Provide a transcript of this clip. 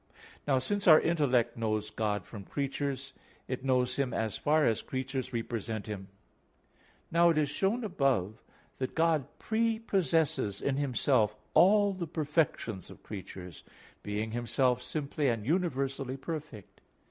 Now since our intellect knows God from creatures, it knows Him as far as creatures represent Him. Now it is shown above (Q. 4, A. 2) that God prepossesses in Himself all the perfections of creatures, being Himself simply and universally perfect.